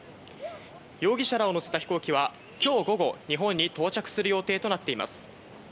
容疑者らを乗せた飛行機は今日午後、日本に到着する予定となっています。